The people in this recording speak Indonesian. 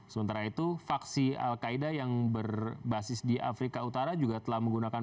sementara itu faksi al qaeda yang berbasis di afrika utara juga telah menggunakan